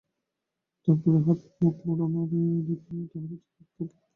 তার পরে তাঁর হাতমুখ নাড়া দেখিয়া তাহার অত্যন্ত কৌতুক বোধ হইল।